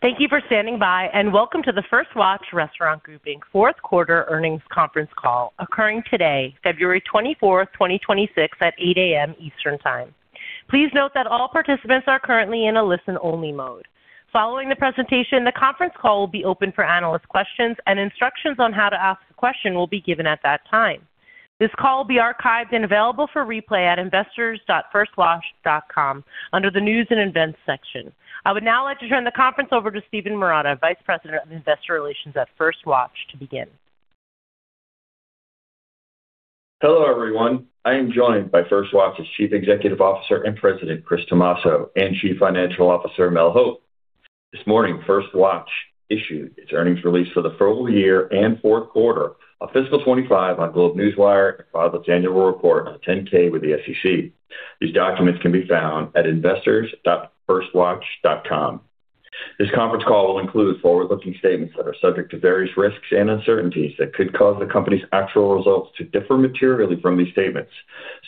Thank you for standing by, welcome to the First Watch Restaurant Group Inc. Q4 earnings conference call, occurring today, February 24, 2026, at 8:00 A.M. Eastern Time. Please note that all participants are currently in a listen-only mode. Following the presentation, the conference call will be open for analyst questions, instructions on how to ask a question will be given at that time. This call will be archived and available for replay at investors.firstwatch.com under the News and Events section. I would now like to turn the conference over to Steven Marotta, Vice President of Investor Relations at First Watch, to begin. Hello, everyone. I am joined by First Watch's Chief Executive Officer and President, Chris Tomasso, and Chief Financial Officer, Mel Hope. This morning, First Watch issued its earnings release for the full year and Q4 of fiscal 2025 on GlobeNewswire and filed its annual report on a Form 10-K with the SEC. These documents can be found at investors.firstwatch.com. This conference call will include forward-looking statements that are subject to various risks and uncertainties that could cause the company's actual results to differ materially from these statements.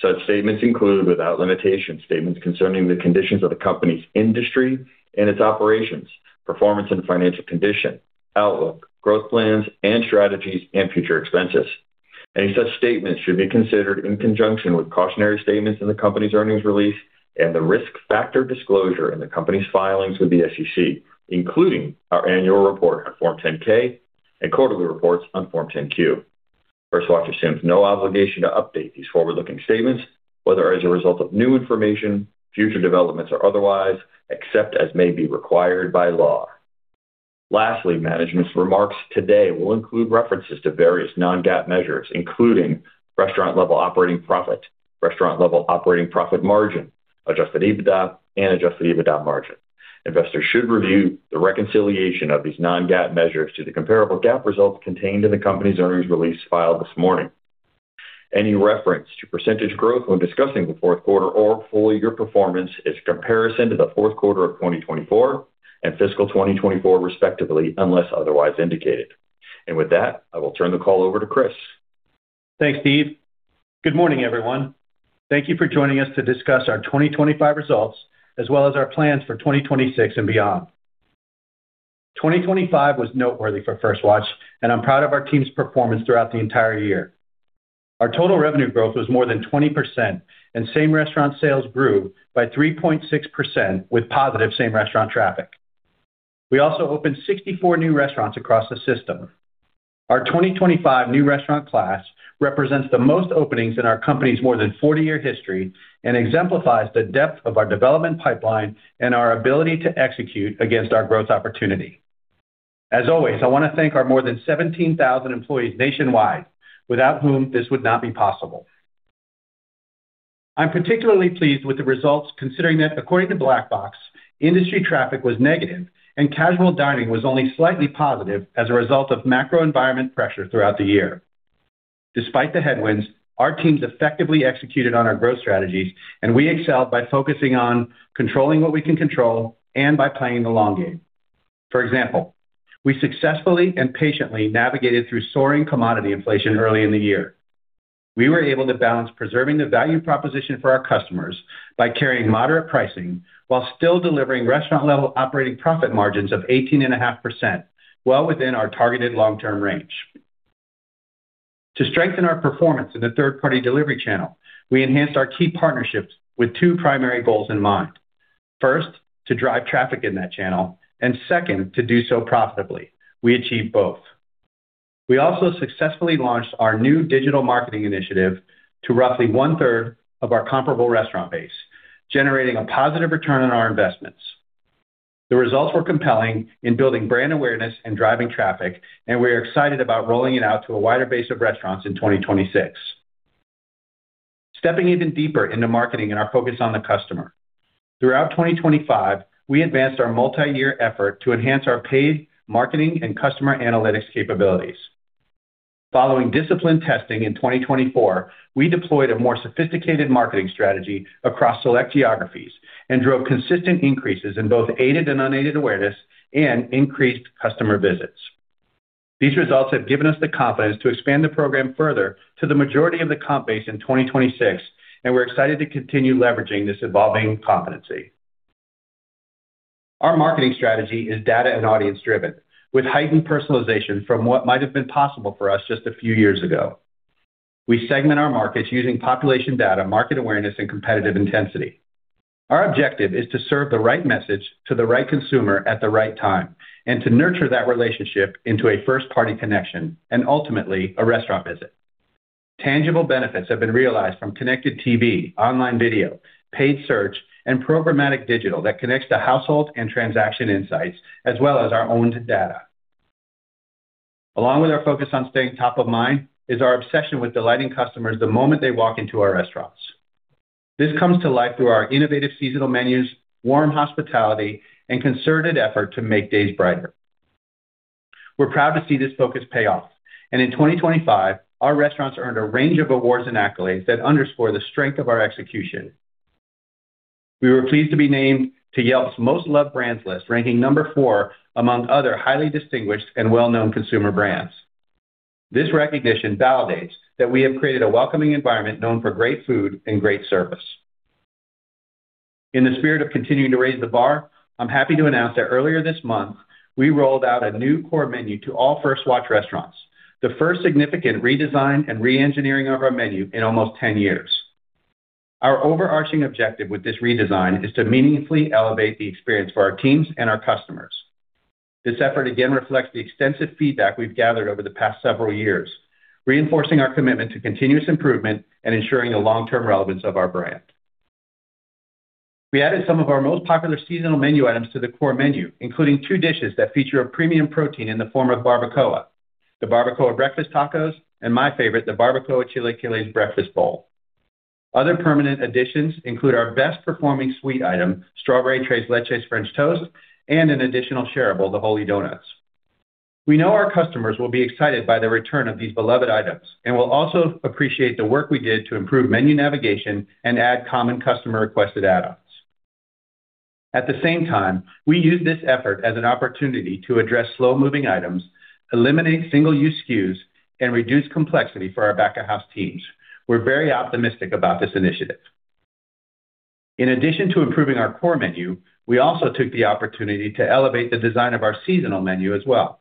Such statements include, without limitation, statements concerning the conditions of the company's industry and its operations, performance and financial condition, outlook, growth plans and strategies, and future expenses. Any such statements should be considered in conjunction with cautionary statements in the company's earnings release and the risk factor disclosure in the company's filings with the SEC, including our annual report on Form 10-K and quarterly reports on Form 10-Q. First Watch assumes no obligation to update these forward-looking statements, whether as a result of new information, future developments, or otherwise, except as may be required by law. Lastly, management's remarks today will include references to various non-GAAP measures, including restaurant level operating profit, restaurant level operating profit margin, adjusted EBITDA, and adjusted EBITDA margin. Investors should review the reconciliation of these non-GAAP measures to the comparable GAAP results contained in the company's earnings release filed this morning. Any reference to percentage growth when discussing the Q4 or full year performance is comparison to the Q4 of 2024 and fiscal 2024, respectively, unless otherwise indicated. With that, I will turn the call over to Chris. Thanks, Steve. Good morning, everyone. Thank you for joining us to discuss our 2025 results as well as our plans for 2026 and beyond. 2025 was noteworthy for First Watch, and I'm proud of our team's performance throughout the entire year. Our total revenue growth was more than 20%, and same restaurant sales grew by 3.6% with positive same restaurant traffic. We also opened 64 new restaurants across the system. Our 2025 new restaurant class represents the most openings in our company's more than 40-year history and exemplifies the depth of our development pipeline and our ability to execute against our growth opportunity. As always, I want to thank our more than 17,000 employees nationwide, without whom this would not be possible. I'm particularly pleased with the results, considering that according to Black Box, industry traffic was negative and casual dining was only slightly positive as a result of macro environment pressure throughout the year. Despite the headwinds, our teams effectively executed on our growth strategies, and we excelled by focusing on controlling what we can control and by playing the long game. For example, we successfully and patiently navigated through soaring commodity inflation early in the year. We were able to balance preserving the value proposition for our customers by carrying moderate pricing while still delivering restaurant-level operating profit margins of 18.5%, well within our targeted long-term range. To strengthen our performance in the third-party delivery channel, we enhanced our key partnerships with two primary goals in mind. First, to drive traffic in that channel, and second, to do so profitably. We achieved both. We also successfully launched our new digital marketing initiative to roughly one-third of our comparable restaurant base, generating a positive return on our investments. The results were compelling in building brand awareness and driving traffic, and we are excited about rolling it out to a wider base of restaurants in 2026. Stepping even deeper into marketing and our focus on the customer, throughout 2025, we advanced our multi-year effort to enhance our paid marketing and customer analytics capabilities. Following disciplined testing in 2024, we deployed a more sophisticated marketing strategy across select geographies and drove consistent increases in both aided and unaided awareness and increased customer visits. These results have given us the confidence to expand the program further to the majority of the comp base in 2026, and we're excited to continue leveraging this evolving competency. Our marketing strategy is data and audience-driven, with heightened personalization from what might have been possible for us just a few years ago. We segment our markets using population data, market awareness, and competitive intensity. Our objective is to serve the right message to the right consumer at the right time and to nurture that relationship into a first-party connection and ultimately a restaurant visit. Tangible benefits have been realized from Connected TV, online video, paid search, and programmatic digital that connects to household and transaction insights, as well as our owned data. Along with our focus on staying top of mind is our obsession with delighting customers the moment they walk into our restaurants. This comes to life through our innovative seasonal menus, warm hospitality, and concerted effort to make days brighter. We're proud to see this focus pay off. In 2025, our restaurants earned a range of awards and accolades that underscore the strength of our execution. We were pleased to be named to Yelp's Most Loved Brands list, ranking number four among other highly distinguished and well-known consumer brands. This recognition validates that we have created a welcoming environment known for great food and great service. In the spirit of continuing to raise the bar, I'm happy to announce that earlier this month, we rolled out a new core menu to all First Watch restaurants, the first significant redesign and reengineering of our menu in almost 10 years. Our overarching objective with this redesign is to meaningfully elevate the experience for our teams and our customers. This effort again reflects the extensive feedback we've gathered over the past several years, reinforcing our commitment to continuous improvement and ensuring the long-term relevance of our brand. We added some of our most popular seasonal menu items to the core menu, including two dishes that feature a premium protein in the form of Barbacoa: the Barbacoa Breakfast Tacos, and my favorite, the Barbacoa Chilaquiles Breakfast Bowl. Other permanent additions include our best-performing sweet item, Strawberry Tres Leches French Toast, and an additional shareable, the Holey Donuts. We know our customers will be excited by the return of these beloved items and will also appreciate the work we did to improve menu navigation and add common customer-requested add-ons. At the same time, we used this effort as an opportunity to address slow-moving items, eliminate single-use SKUs, and reduce complexity for our back-of-house teams. We're very optimistic about this initiative. In addition to improving our core menu, we also took the opportunity to elevate the design of our seasonal menu as well.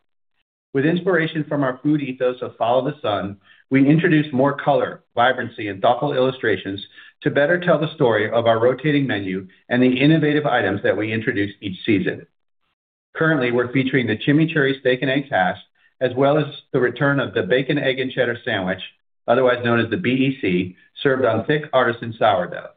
With inspiration from our food ethos of Follow the Sun, we introduced more color, vibrancy, and thoughtful illustrations to better tell the story of our rotating menu and the innovative items that we introduce each season. Currently, we're featuring the Chimichurri Steak & Eggs Hash, as well as the return of the bacon, egg, and cheddar sandwich, otherwise known as the B.E.C., served on thick artisan sourdough.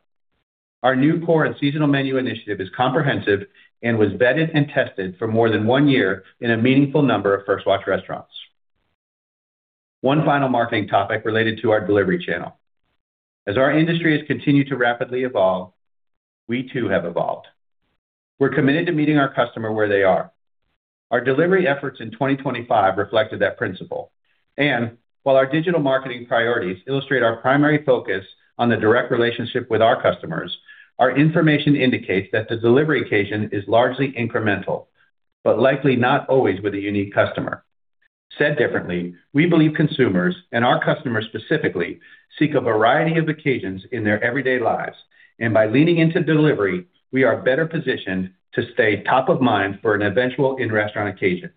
Our new core and seasonal menu initiative is comprehensive and was vetted and tested for more than one year in a meaningful number of First Watch restaurants. One final marketing topic related to our delivery channel. As our industry has continued to rapidly evolve, we too have evolved. We're committed to meeting our customer where they are. Our delivery efforts in 2025 reflected that principle. While our digital marketing priorities illustrate our primary focus on the direct relationship with our customers, our information indicates that the delivery occasion is largely incremental, but likely not always with a unique customer. Said differently, we believe consumers and our customers specifically, seek a variety of occasions in their everyday lives, by leaning into delivery, we are better positioned to stay top of mind for an eventual in-restaurant occasion.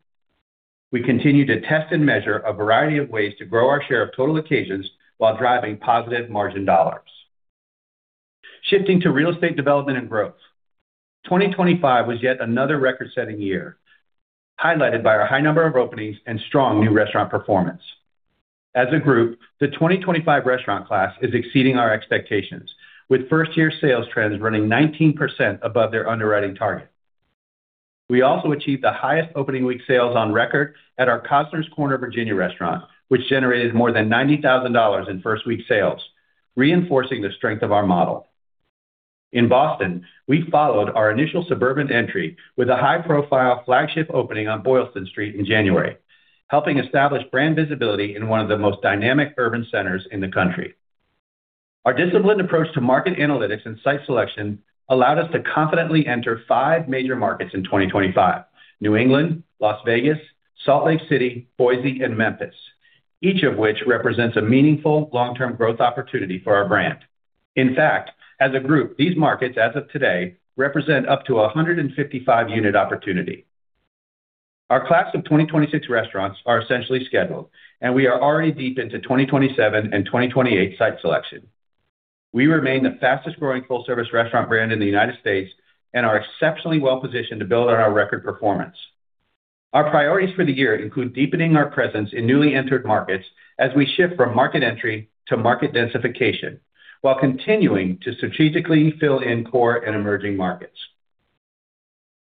We continue to test and measure a variety of ways to grow our share of total occasions while driving positive margin dollars. Shifting to real estate development and growth. 2025 was yet another record-setting year, highlighted by our high number of openings and strong new restaurant performance. As a group, the 2025 restaurant class is exceeding our expectations, with first-year sales trends running 19% above their underwriting target. We also achieved the highest opening week sales on record at our Cosner's Corner, Virginia, restaurant, which generated more than $90,000 in first-week sales, reinforcing the strength of our model. In Boston, we followed our initial suburban entry with a high-profile flagship opening on Boylston Street in January, helping establish brand visibility in one of the most dynamic urban centers in the country. Our disciplined approach to market analytics and site selection allowed us to confidently enter five major markets in 2025: New England, Las Vegas, Salt Lake City, Boise, and Memphis, each of which represents a meaningful long-term growth opportunity for our brand. In fact, as a group, these markets, as of today, represent up to a 155 unit opportunity. Our class of 2026 restaurants are essentially scheduled, and we are already deep into 2027 and 2028 site selection. We remain the fastest-growing full-service restaurant brand in the United States and are exceptionally well-positioned to build on our record performance. Our priorities for the year include deepening our presence in newly entered markets as we shift from market entry to market densification, while continuing to strategically fill in core and emerging markets.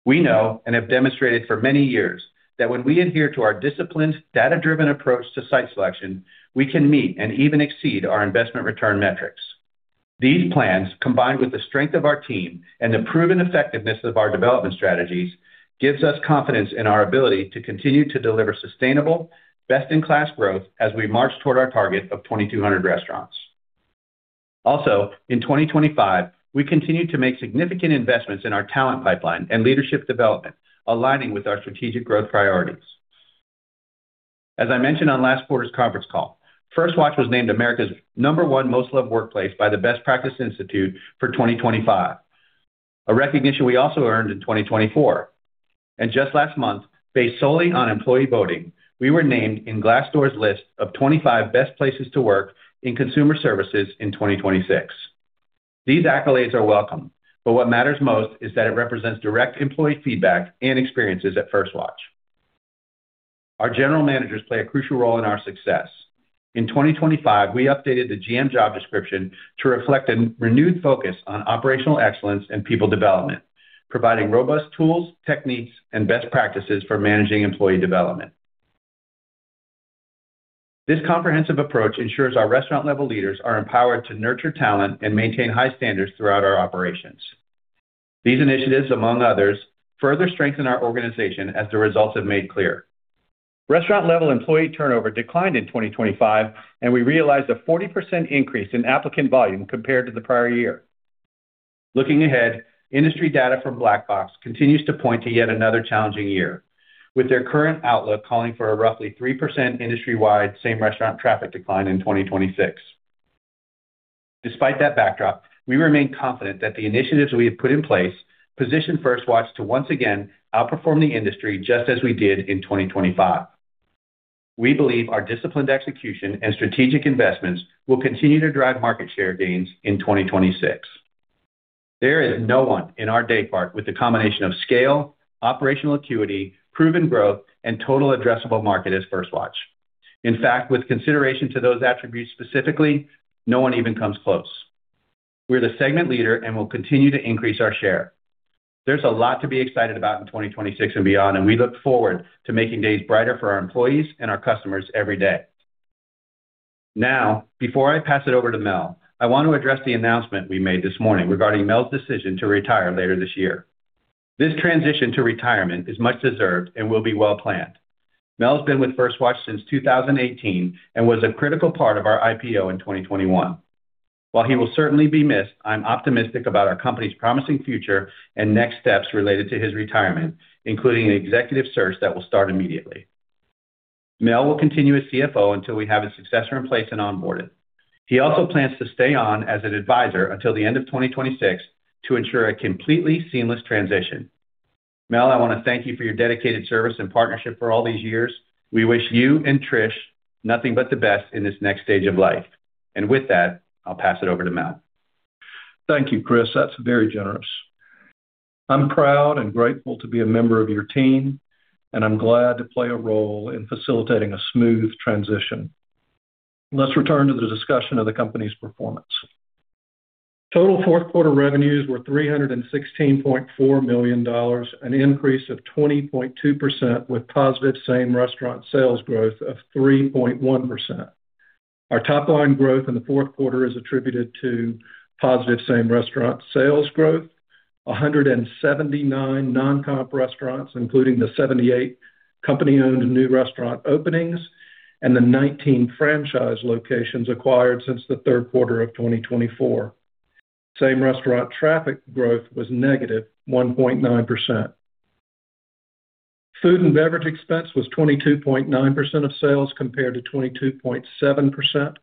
We know and have demonstrated for many years that when we adhere to our disciplined, data-driven approach to site selection, we can meet and even exceed our investment return metrics. These plans, combined with the strength of our team and the proven effectiveness of our development strategies, gives us confidence in our ability to continue to deliver sustainable, best-in-class growth as we march toward our target of 2,200 restaurants. In 2025, we continued to make significant investments in our talent pipeline and leadership development, aligning with our strategic growth priorities. As I mentioned on last quarter's conference call, First Watch was named America's number one most loved workplace by the Best Practice Institute for 2025, a recognition we also earned in 2024. Just last month, based solely on employee voting, we were named in Glassdoor's list of 25 best places to work in consumer services in 2026. These accolades are welcome, but what matters most is that it represents direct employee feedback and experiences at First Watch. Our general managers play a crucial role in our success. In 2025, we updated the GM job description to reflect a renewed focus on operational excellence and people development, providing robust tools, techniques, and best practices for managing employee development. This comprehensive approach ensures our restaurant-level leaders are empowered to nurture talent and maintain high standards throughout our operations. These initiatives, among others, further strengthen our organization as the results have made clear. Restaurant-level employee turnover declined in 2025, and we realized a 40% increase in applicant volume compared to the prior year. Looking ahead, industry data from Black Box continues to point to yet another challenging year, with their current outlook calling for a roughly 3% industry-wide same restaurant traffic decline in 2026. Despite that backdrop, we remain confident that the initiatives we have put in place position First Watch to once again outperform the industry, just as we did in 2025. We believe our disciplined execution and strategic investments will continue to drive market share gains in 2026. There is no one in our daypart with the combination of scale, operational acuity, proven growth, and total addressable market as First Watch. In fact, with consideration to those attributes specifically, no one even comes close. We're the segment leader, and we'll continue to increase our share. There's a lot to be excited about in 2026 and beyond, and we look forward to making days brighter for our employees and our customers every day. Before I pass it over to Mel, I want to address the announcement we made this morning regarding Mel's decision to retire later this year. This transition to retirement is much deserved and will be well-planned. Mel's been with First Watch since 2018 and was a critical part of our IPO in 2021. While he will certainly be missed, I'm optimistic about our company's promising future and next steps related to his retirement, including an executive search that will start immediately. Mel will continue as CFO until we have his successor in place and onboarded. He also plans to stay on as an advisor until the end of 2026 to ensure a completely seamless transition. Mel, I want to thank you for your dedicated service and partnership for all these years. We wish you and Trish nothing but the best in this next stage of life. With that, I'll pass it over to Mel. Thank you, Chris. That's very generous. I'm proud and grateful to be a member of your team, and I'm glad to play a role in facilitating a smooth transition. Let's return to the discussion of the company's performance. Total Q4 revenues were $316.4 million, an increase of 20.2%, with positive same-restaurant sales growth of 3.1%. Our top-line growth in the Q4 is attributed to positive same-restaurant sales growth, 179 non-comp restaurants, including the 78 company-owned and new restaurant openings, and the 19 franchise locations acquired since the Q3 of 2024. Same-restaurant traffic growth was negative 1.9%. Food and beverage expense was 22.9% of sales, compared to 22.7%.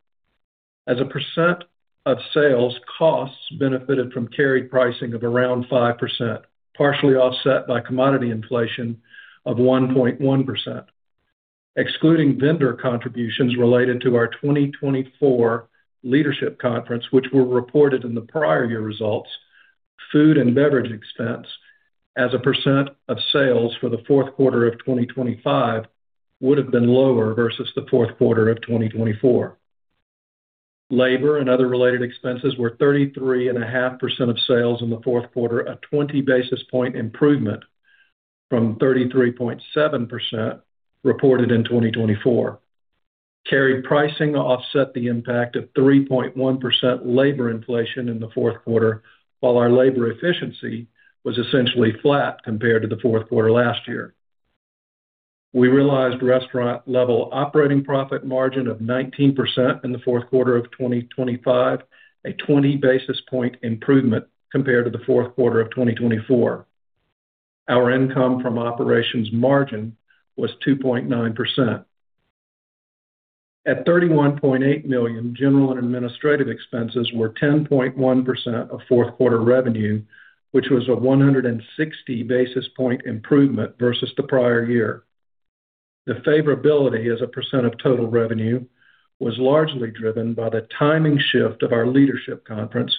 As a percent of sales, costs benefited from carried pricing of around 5%, partially offset by commodity inflation of 1.1%. Excluding vendor contributions related to our 2024 leadership conference, which were reported in the prior year results, food and beverage expense as a percent of sales for the Q4 of 2025 would have been lower versus the Q4 of 2024. Labor and other related expenses were 33.5% of sales in the Q4, a 20 basis point improvement from 33.7% reported in 2024. Carried pricing offset the impact of 3.1% labor inflation in the Q4, while our labor efficiency was essentially flat compared to the Q4 last year. We realized restaurant-level operating profit margin of 19% in the Q4 of 2025, a 20 basis point improvement compared to the Q4 of 2024. Our income from operations margin was 2.9%. At $31.8 million, general and administrative expenses were 10.1% of Q4 revenue, which was a 160 basis point improvement versus the prior year. The favorability as a % of total revenue was largely driven by the timing shift of our leadership conference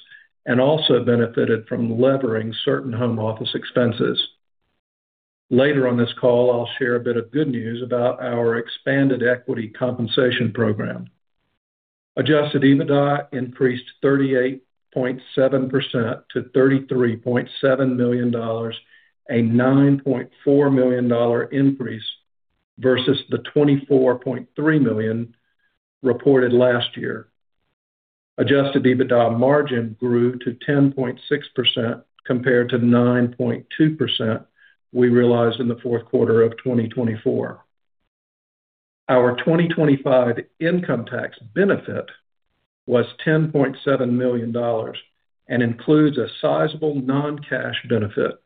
and also benefited from levering certain home office expenses. Later on this call, I'll share a bit of good news about our expanded equity compensation program. Adjusted EBITDA increased 38.7% to $33.7 million, a $9.4 million increase versus the $24.3 million reported last year. Adjusted EBITDA margin grew to 10.6%, compared to 9.2% we realized in the Q4 of 2024. Our 2025 income tax benefit was $10.7 million and includes a sizable non-cash benefit.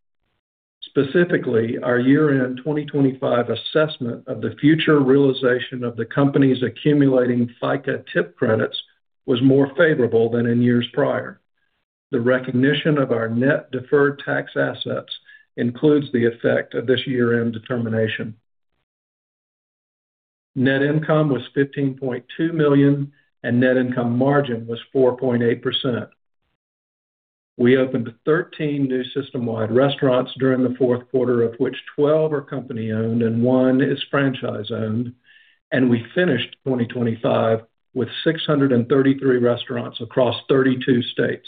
Specifically, our year-end 2025 assessment of the future realization of the company's accumulating FICA tip credits was more favorable than in years prior. The recognition of our net deferred tax assets includes the effect of this year-end determination. Net income was $15.2 million, and net income margin was 4.8%. We opened 13 new system-wide restaurants during the Q4, of which 12 are company-owned and 1 is franchise-owned, and we finished 2025 with 633 restaurants across 32 states.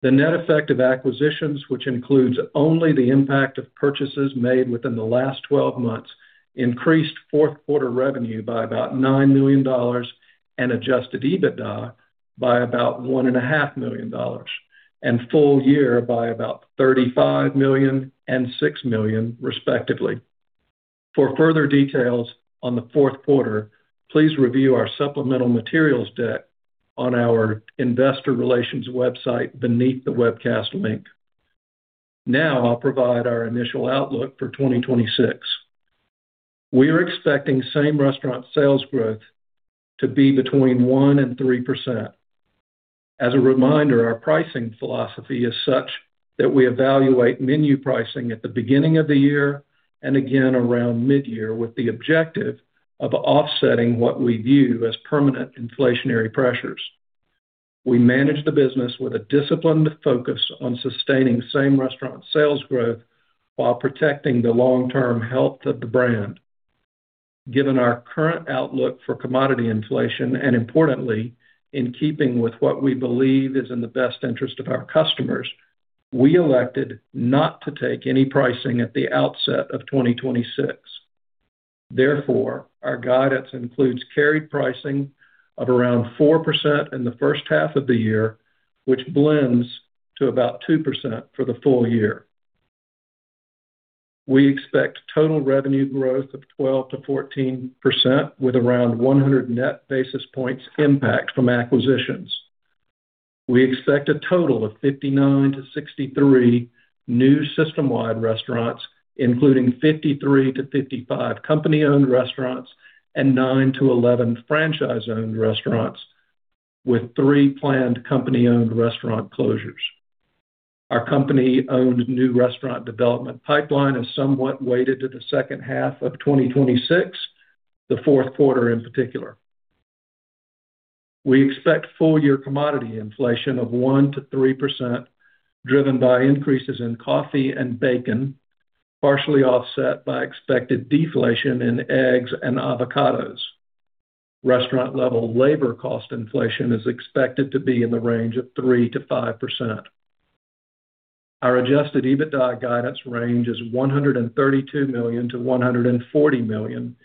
The net effect of acquisitions, which includes only the impact of purchases made within the last 12 months, increased Q4 revenue by about $9 million and adjusted EBITDA by about one and a half million dollars, and full year by about $35 million and $6 million, respectively. For further details on the Q4, please review our supplemental materials deck on our investor relations website beneath the webcast link. Now I'll provide our initial outlook for 2026. We are expecting same-restaurant sales growth to be between 1% and 3%. As a reminder, our pricing philosophy is such that we evaluate menu pricing at the beginning of the year and again around mid-year, with the objective of offsetting what we view as permanent inflationary pressures. We manage the business with a disciplined focus on sustaining same-restaurant sales growth while protecting the long-term health of the brand. Given our current outlook for commodity inflation, and importantly, in keeping with what we believe is in the best interest of our customers, we elected not to take any pricing at the outset of 2026. Therefore, our guidance includes carried pricing of around 4% in the first half of the year, which blends to about 2% for the full year. We expect total revenue growth of 12%-14%, with around 100 net basis points impact from acquisitions. We expect a total of 59-63 new system-wide restaurants, including 53-55 company-owned restaurants and 9-11 franchise-owned restaurants, with 3 planned company-owned restaurant closures. Our company-owned new restaurant development pipeline is somewhat weighted to the second half of 2026, the Q4 in particular. We expect full-year commodity inflation of 1%-3%, driven by increases in coffee and bacon, partially offset by expected deflation in eggs and avocados. Restaurant-level labor cost inflation is expected to be in the range of 3%-5%. Our adjusted EBITDA guidance range is $132 million-$140 million,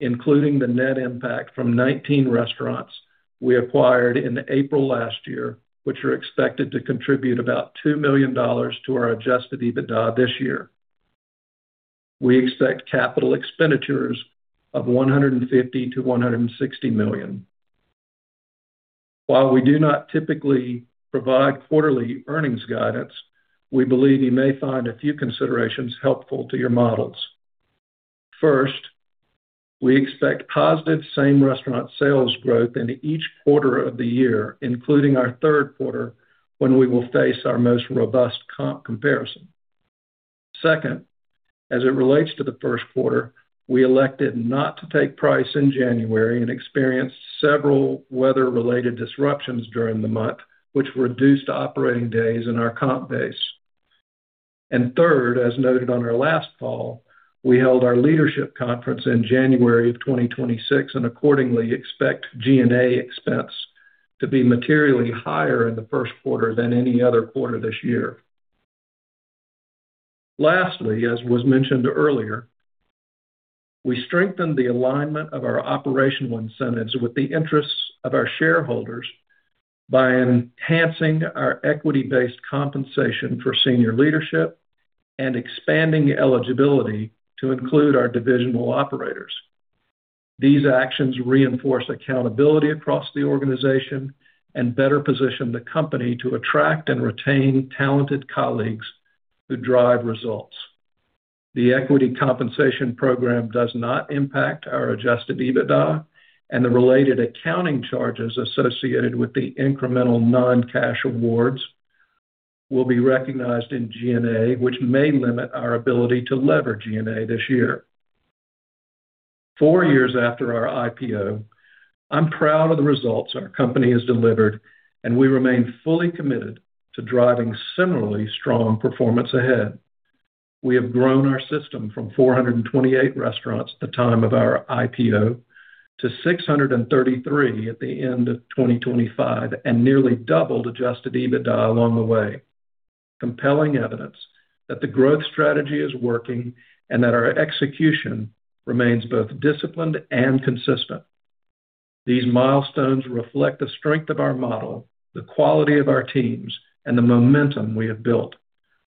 including the net impact from 19 restaurants we acquired in April last year, which are expected to contribute about $2 million to our adjusted EBITDA this year. We expect capital expenditures of $150 million-$160 million. While we do not typically provide quarterly earnings guidance, we believe you may find a few considerations helpful to your models. First, we expect positive same-restaurant sales growth in each quarter of the year, including our Q3, when we will face our most robust comp comparison. Second, as it relates to the Q1, we elected not to take price in January and experienced several weather-related disruptions during the month, which reduced operating days in our comp base. Third, as noted on our last call, we held our leadership conference in January of 2026 and accordingly expect G&A expense to be materially higher in the Q1 than any other quarter this year. Lastly, as was mentioned earlier, we strengthened the alignment of our operational incentives with the interests of our shareholders by enhancing our equity-based compensation for senior leadership and expanding eligibility to include our divisional operators. These actions reinforce accountability across the organization and better position the company to attract and retain talented colleagues who drive results. The equity compensation program does not impact our adjusted EBITDA, and the related accounting charges associated with the incremental non-cash awards will be recognized in G&A, which may limit our ability to lever G&A this year. Four years after our IPO, I'm proud of the results our company has delivered, and we remain fully committed to driving similarly strong performance ahead. We have grown our system from 428 restaurants at the time of our IPO to 633 at the end of 2025, and nearly doubled adjusted EBITDA along the way, compelling evidence that the growth strategy is working and that our execution remains both disciplined and consistent. These milestones reflect the strength of our model, the quality of our teams, and the momentum we have built.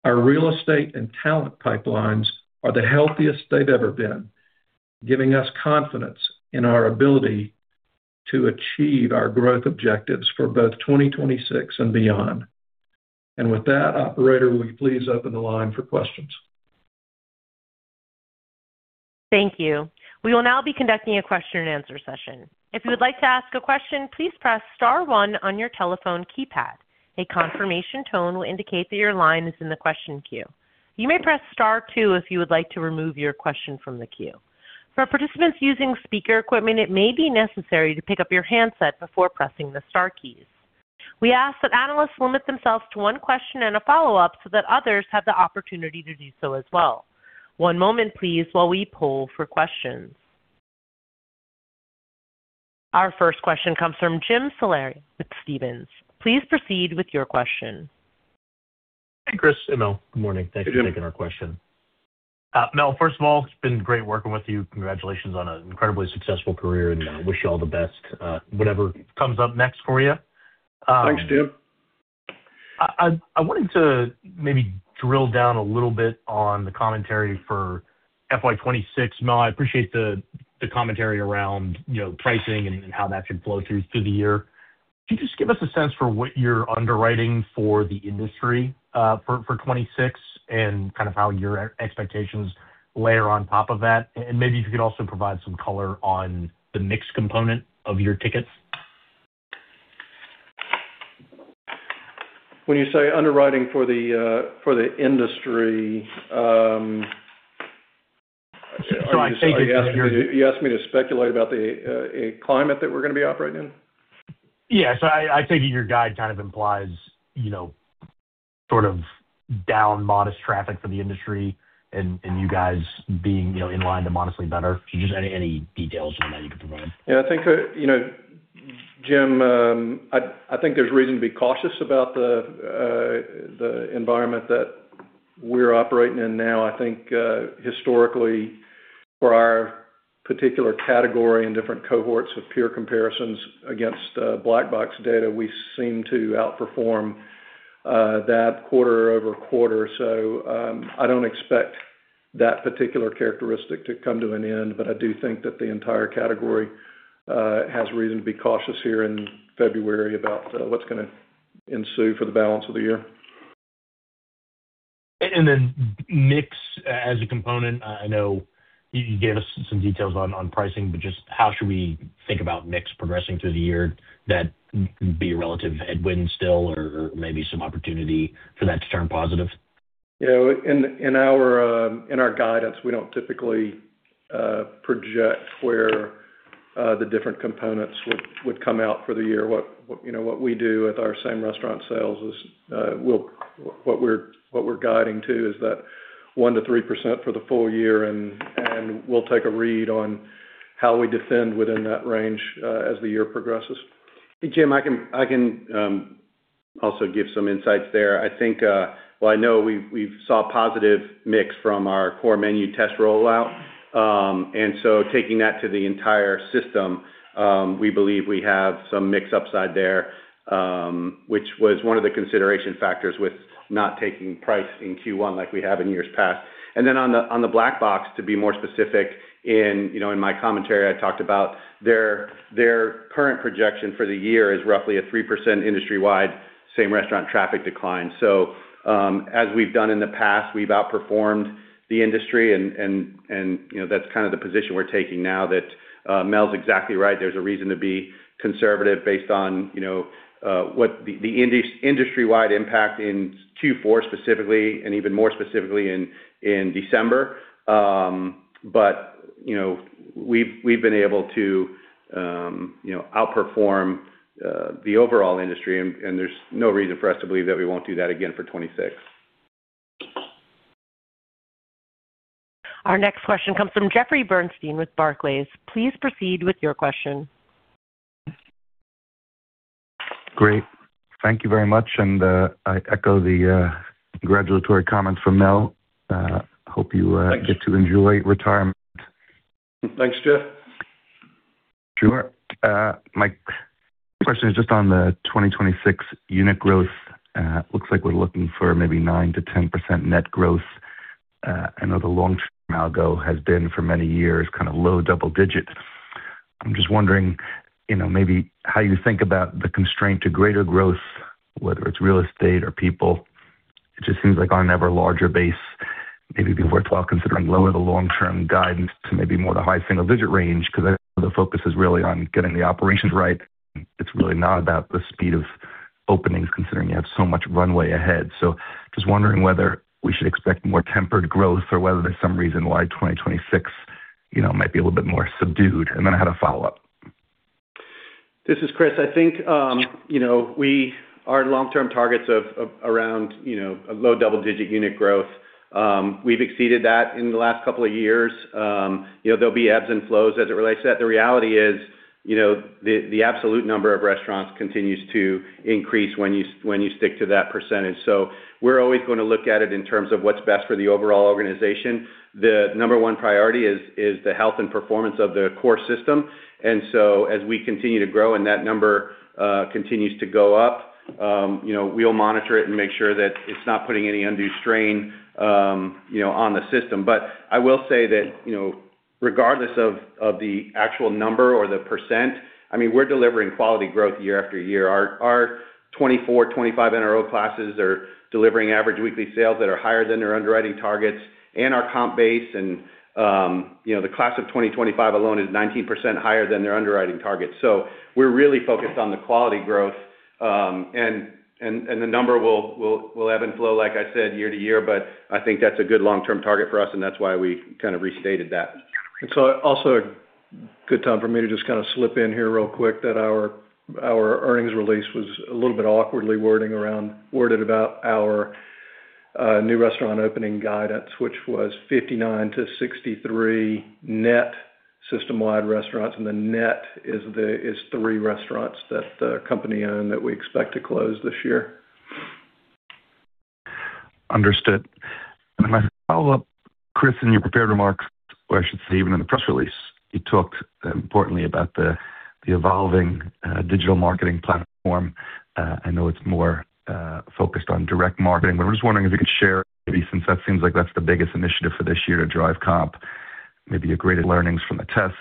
Our real estate and talent pipelines are the healthiest they've ever been, giving us confidence in our ability to achieve our growth objectives for both 2026 and beyond. With that, operator, will you please open the line for questions? Thank you. We will now be conducting a question-and-answer session. If you would like to ask a question, please press star one on your telephone keypad. A confirmation tone will indicate that your line is in the question queue. You may press star two if you would like to remove your question from the queue. For participants using speaker equipment, it may be necessary to pick up your handset before pressing the star keys. We ask that analysts limit themselves to one question and a follow-up so that others have the opportunity to do so as well. One moment, please, while we poll for questions. Our first question comes from Jim Salera with Stephens. Please proceed with your question. Hey, Chris and Mel. Good morning. Thank you for taking our question. Mel, first of all, it's been great working with you. Congratulations on an incredibly successful career. I wish you all the best, whatever comes up next for you. Thanks, Jim. I wanted to maybe drill down a little bit on the commentary for FY 2026. Mel, I appreciate the commentary around, you know, pricing and how that should flow through the year. Could you just give us a sense for what you're underwriting for the industry for 2026 and kind of how your expectations layer on top of that? Maybe if you could also provide some color on the mix component of your tickets. When you say underwriting for the industry. So I think- Are you asking me, you asked me to speculate about the, a climate that we're gonna be operating in? Yes. I take it your guide kind of implies, you know, sort of down modest traffic for the industry and you guys being, you know, in line to modestly better. Just any details on that you can provide? Yeah, I think, you know, Jim, I think there's reason to be cautious about the environment that we're operating in now. I think, historically, for our particular category and different cohorts of peer comparisons against Black Box data, we seem to outperform that quarter-over-quarter. I don't expect that particular characteristic to come to an end, but I do think that the entire category has reason to be cautious here in February about what's gonna ensue for the balance of the year. Mix as a component, I know you gave us some details on pricing, but just how should we think about mix progressing through the year? That be a relative headwind still, or maybe some opportunity for that to turn positive? You know, in our, in our guidance, we don't typically project where the different components would come out for the year. What, you know, what we do with our same restaurant sales is what we're guiding to is that 1%-3% for the full year, and we'll take a read on how we defend within that range as the year progresses. Jim, I can also give some insights there. I think, well, I know we've saw positive mix from our core menu test rollout. Taking that to the entire system, we believe we have some mix upside there, which was one of the consideration factors with not taking price in Q1 like we have in years past. Then on the Black Box, to be more specific, in, you know, in my commentary, I talked about their current projection for the year is roughly a 3% industry-wide, same restaurant traffic decline. As we've done in the past, we've outperformed the industry and, you know, that's kind of the position we're taking now that Mel's exactly right. There's a reason to be conservative based on, you know, what the industry-wide impact in Q4 specifically, and even more specifically in December. You know, we've been able to, you know, outperform the overall industry, and there's no reason for us to believe that we won't do that again for 26. Our next question comes from Jeffrey Bernstein with Barclays. Please proceed with your question. Great. Thank you very much, and I echo the congratulatory comments from Mel. Hope you, Thanks. get to enjoy retirement. Thanks, Jeff. Sure. My question is just on the 2026 unit growth. Looks like we're looking for maybe 9%-10% net growth. I know the long term ago has been for many years, kind of low double digits. I'm just wondering, you know, maybe how you think about the constraint to greater growth, whether it's real estate or people. It just seems like on an ever larger base, maybe be worthwhile considering lower the long-term guidance to maybe more the high single digit range, because I know the focus is really on getting the operations right. It's really not about the speed of openings, considering you have so much runway ahead. Just wondering whether we should expect more tempered growth or whether there's some reason why 2026, you know, might be a little bit more subdued. Then I had a follow-up. This is Chris. I think, you know, Our long-term targets of around, you know, a low double-digit unit growth, we've exceeded that in the last couple of years. You know, there'll be ebbs and flows as it relates to that. The reality is, you know, the absolute number of restaurants continues to increase when you stick to that percentage. We're always gonna look at it in terms of what's best for the overall organization. The number one priority is the health and performance of the core system. As we continue to grow and that number continues to go up, you know, we'll monitor it and make sure that it's not putting any undue strain, you know, on the system. I will say that, you know, regardless of the actual number or the percent, I mean, we're delivering quality growth year after year. Our, our 2024, 2025 NRO classes are delivering average weekly sales that are higher than their underwriting targets and our comp base. You know, the class of 2025 alone is 19% higher than their underwriting targets. We're really focused on the quality growth, and the number will ebb and flow, like I said, year to year, but I think that's a good long-term target for us, and that's why we kind of restated that. It's also a good time for me to just kind of slip in here real quick, that our earnings release was a little bit awkwardly worded about our new restaurant opening guidance, which was 59-63 net system-wide restaurants. The net is 3 restaurants that the company own, that we expect to close this year. Understood. My follow-up, Chris, in your prepared remarks, or I should say, even in the press release, you talked importantly about the evolving digital marketing platform. I know it's more focused on direct marketing, but I'm just wondering if you can share, maybe since that seems like that's the biggest initiative for this year to drive comp, maybe your greatest learnings from the tests,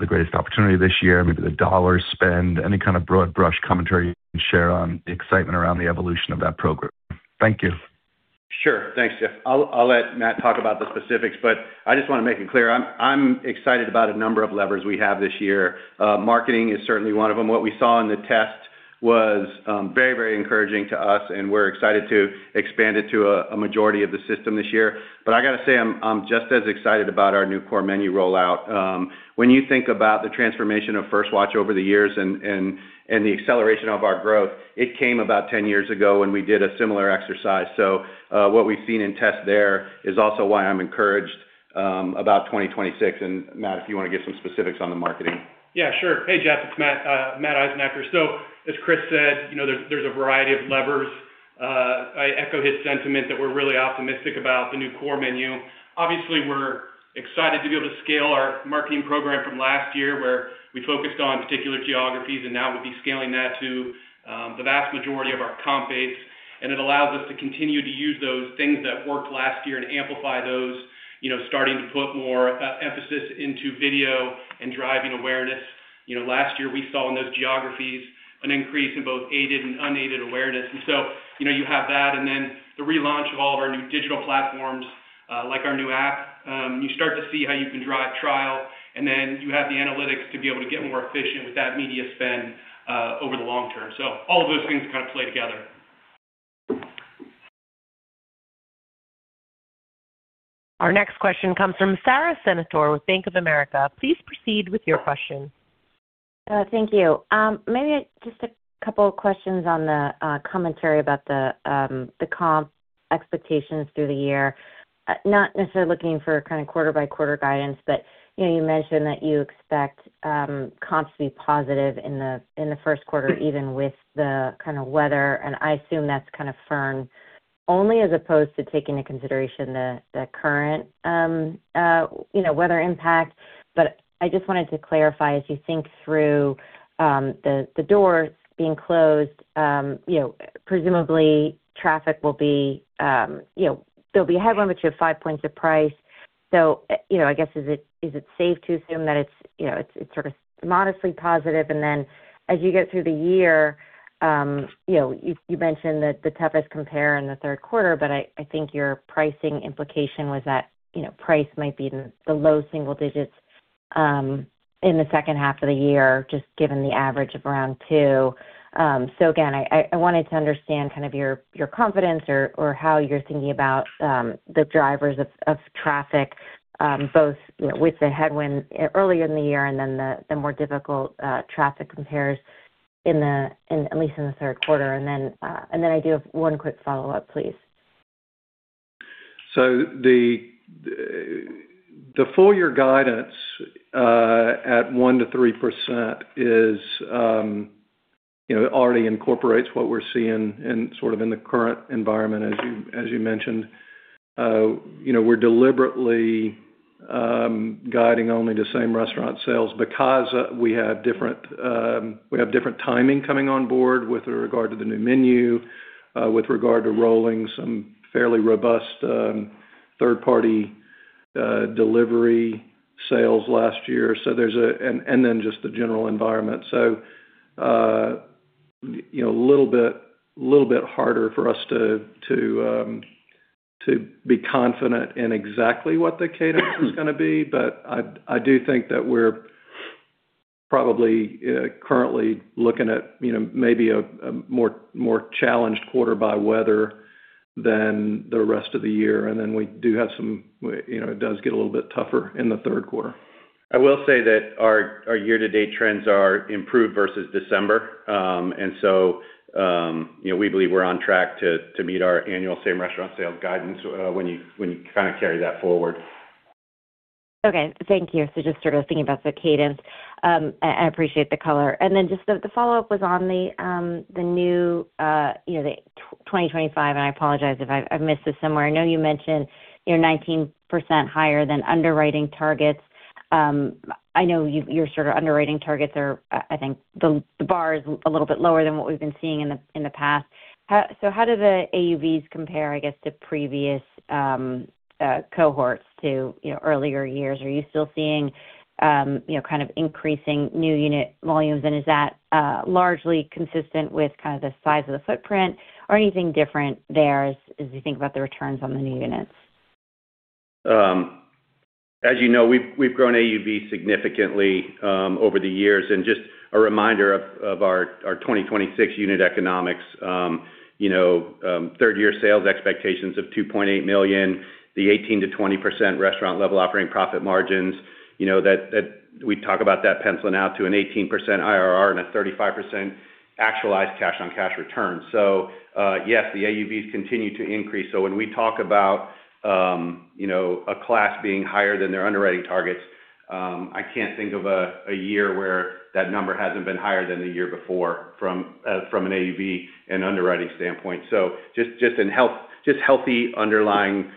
the greatest opportunity this year, maybe the dollar spend, any kind of broad brush commentary you can share on the excitement around the evolution of that program? Thank you. Sure. Thanks, Jeff. I'll let Matt talk about the specifics. I just want to make it clear, I'm excited about a number of levers we have this year. Marketing is certainly one of them. What we saw in the test was very encouraging to us, and we're excited to expand it to a majority of the system this year. I got to say, I'm just as excited about our new core menu rollout. When you think about the transformation of First Watch over the years and the acceleration of our growth, it came about 10 years ago when we did a similar exercise. What we've seen in test there is also why I'm encouraged about 2026. Matt, if you want to give some specifics on the marketing. Yeah, sure. Hey, Jeff, it's Matt Eisenacher. As Chris said, you know, there's a variety of levers. I echo his sentiment that we're really optimistic about the new core menu. Obviously, we're excited to be able to scale our marketing program from last year, where we focused on particular geographies, and now we'll be scaling that to the vast majority of our comp base. It allows us to continue to use those things that worked last year and amplify those, you know, starting to put more emphasis into video and driving awareness. You know, last year, we saw in those geographies an increase in both aided and unaided awareness. You know, you have that, and then the relaunch of all of our new digital platforms, like our new app, you start to see how you can drive trial, and then you have the analytics to be able to get more efficient with that media spend over the long term. All of those things kind of play together. Our next question comes from Sara Senatore with Bank of America. Please proceed with your question. Thank you. Maybe just a couple of questions on the commentary about the comp expectations through the year. Not necessarily looking for kind of quarter by quarter guidance, but, you know, you mentioned that you expect comps to be positive in the Q1, even with the kind of weather, and I assume that's kind of firm only as opposed to taking into consideration the current, you know, weather impact. I just wanted to clarify, as you think through the doors being closed, you know, presumably traffic will be, you know, there'll be a headwind, but you have 5 points of price. You know, I guess, is it safe to assume that it's, you know, it's sort of modestly positive, and then as you get through the year, you know, you mentioned that the toughest compare in the Q3, but I think your pricing implication was that, you know, price might be in the low single digits in the second half of the year, just given the average of around two. Again, I wanted to understand kind of your confidence or how you're thinking about the drivers of traffic, both with the headwind earlier in the year and then the more difficult traffic compares at least in the Q3. I do have one quick follow-up, please. The full year guidance, at 1%-3% is, you know, already incorporates what we're seeing in sort of in the current environment, as you mentioned. You know, we're deliberately guiding only the same restaurant sales because we have different, we have different timing coming on board with regard to the new menu, with regard to rolling some fairly robust, third-party delivery sales last year. Just the general environment. You know, a little bit harder for us to be confident in exactly what the cadence is going to be. I do think that we're probably currently looking at, you know, maybe a more challenged quarter by weather than the rest of the year, we do have some, you know, it does get a little bit tougher in the Q3. I will say that our year-to-date trends are improved versus December. You know, we believe we're on track to meet our annual same-restaurant sales guidance, when you kind of carry that forward. Okay, thank you. Just sort of thinking about the cadence. I appreciate the color. Just the follow-up was on the new, you know, the 2025, and I apologize if I missed this somewhere. I know you mentioned you're 19% higher than underwriting targets. I know your sort of underwriting targets are, I think, the bar is a little bit lower than what we've been seeing in the, in the past. How do the AUVs compare, I guess, to previous, cohorts to, you know, earlier years? Are you still seeing, you know, kind of increasing new unit volumes? Is that, largely consistent with kind of the size of the footprint or anything different there as you think about the returns on the new units? As you know, we've grown AUV significantly over the years. Just a reminder of our 2026 unit economics, you know, third year sales expectations of $2.8 million, the 18%-20% restaurant level operating profit margins, you know, that we talk about that penciling out to an 18% IRR and a 35% actualized cash on cash return. Yes, the AUVs continue to increase. When we talk about, you know, a class being higher than their underwriting targets, I can't think of a year where that number hasn't been higher than the year before from an AUV and underwriting standpoint. Just healthy underlying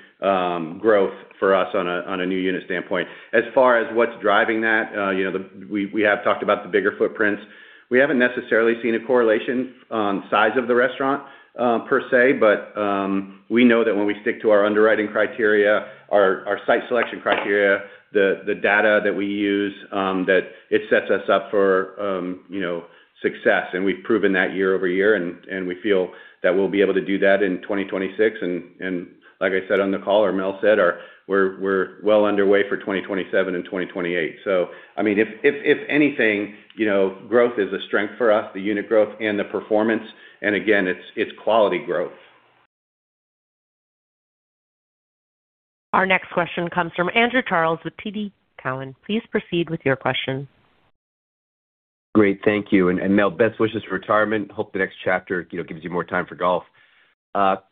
growth for us on a new unit standpoint. As far as what's driving that, you know, we have talked about the bigger footprints. We haven't necessarily seen a correlation on size of the restaurant, per se, but we know that when we stick to our underwriting criteria, our site selection criteria, the data that we use, that it sets us up for, you know, success. We've proven that year-over-year, and we feel that we'll be able to do that in 2026. Like I said, on the call, or Mel said, we're well underway for 2027 and 2028. I mean, if anything, you know, growth is a strength for us, the unit growth and the performance, and again, it's quality growth. Our next question comes from Andrew Charles with TD Cowen. Please proceed with your question. Great, thank you. Mel, best wishes for retirement. Hope the next chapter, you know, gives you more time for golf.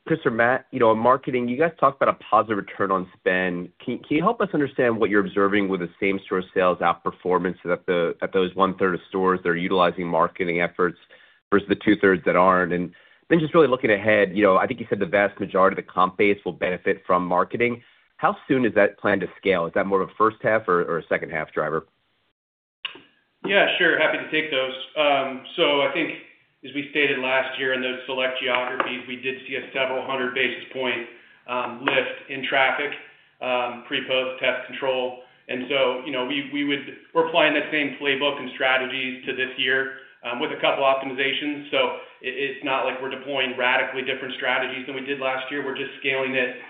Chris or Matt, you know, in marketing, you guys talked about a positive return on spend. Can you help us understand what you're observing with the same-store sales outperformance at those one-third of stores that are utilizing marketing efforts versus the two-thirds that aren't? Just really looking ahead, you know, I think you said the vast majority of the comp base will benefit from marketing. How soon is that planned to scale? Is that more of a first half or a second-half driver? Yeah, sure. Happy to take those. I think as we stated last year, in those select geographies, we did see a several hundred basis point lift in traffic pre, post, test, control. You know, we're applying the same playbook and strategies to this year with a couple optimizations. It's not like we're deploying radically different strategies than we did last year. We're just scaling it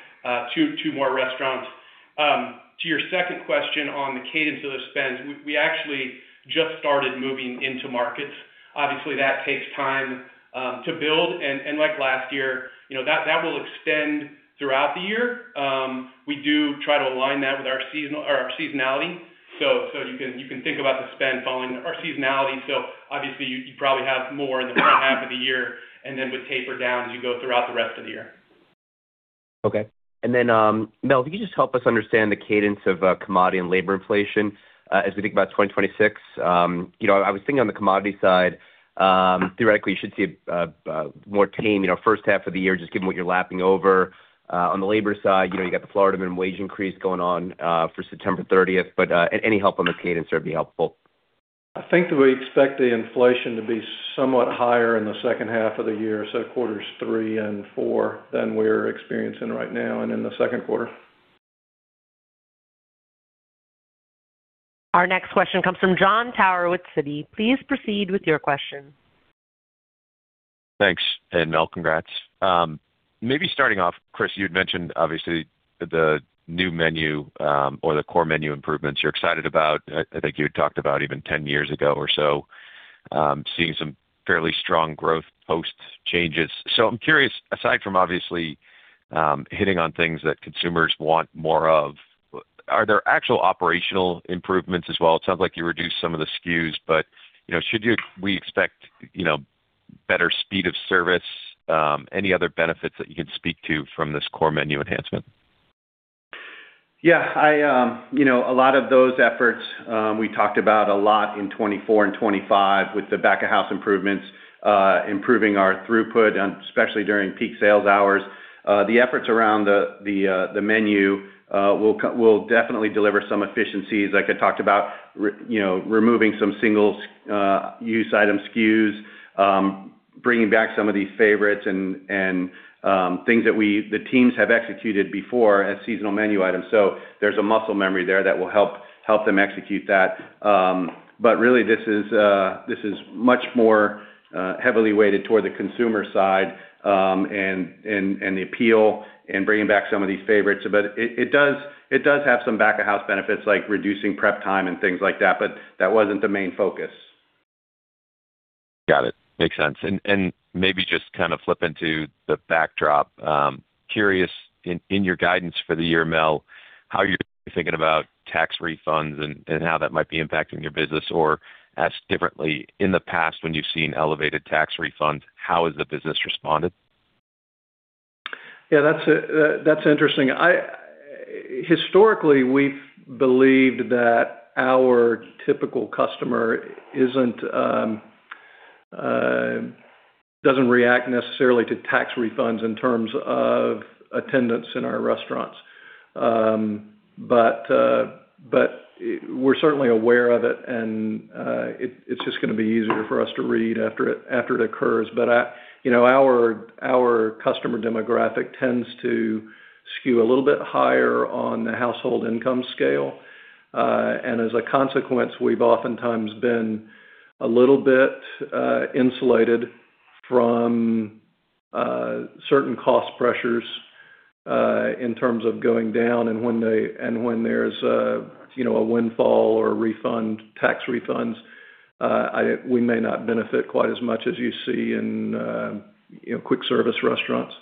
to 2 more restaurants. To your second question on the cadence of the spend, we actually just started moving into markets. Obviously, that takes time to build, and like last year, you know, that will extend throughout the year. We do try to align that with our seasonal or our seasonality. You can think about the spend following our seasonality. obviously, you probably have more in the first half of the year, and then would taper down as you go throughout the rest of the year. Okay. Mel, if you could just help us understand the cadence of commodity and labor inflation as we think about 2026. You know, I was thinking on the commodity side, theoretically, you should see a more tame, you know, first half of the year, just given what you're lapping over. On the labor side, you know, you got the Florida minimum wage increase going on for September 30th, any help on the cadence would be helpful. I think that we expect the inflation to be somewhat higher in the second half of the year, so quarters 3 and 4 than we're experiencing right now and in the Q2. Our next question comes from Jon Tower with Citi. Please proceed with your question. Thanks. Mel, congrats. Maybe starting off, Chris, you had mentioned obviously, the new menu, or the core menu improvements you're excited about. I think you had talked about even 10 years ago or so, seeing some fairly strong growth post changes. I'm curious, aside from obviously, hitting on things that consumers want more of, are there actual operational improvements as well? It sounds like you reduced some of the SKUs, but, you know, we expect, you know, better speed of service, any other benefits that you can speak to from this core menu enhancement? Yeah. I, you know, a lot of those efforts, we talked about a lot in 2024 and 2025 with the back-of-house improvements, improving our throughput, especially during peak sales hours. The efforts around the, the menu, will definitely deliver some efficiencies. Like I talked about, you know, removing some single use item SKUs, bringing back some of these favorites and, things that we, the teams have executed before as seasonal menu items. There's a muscle memory there that will help them execute that. Really, this is, this is much more, heavily weighted toward the consumer side, and, and the appeal and bringing back some of these favorites. It does have some back-of-house benefits, like reducing prep time and things like that, but that wasn't the main focus. Got it. Makes sense. Maybe just kind of flip into the backdrop. Curious, in your guidance for the year, Mel, how you're thinking about tax refunds and how that might be impacting your business, or asked differently, in the past, when you've seen elevated tax refunds, how has the business responded? Yeah, that's interesting. Historically, we've believed that our typical customer isn't doesn't react necessarily to tax refunds in terms of attendance in our restaurants. We're certainly aware of it, and it's just gonna be easier for us to read after it, after it occurs. You know, our customer demographic tends to skew a little bit higher on the household income scale. As a consequence, we've oftentimes been a little bit insulated from certain cost pressures in terms of going down and when there's a, you know, a windfall or a refund, tax refunds, we may not benefit quite as much as you see in, you know, quick service restaurants.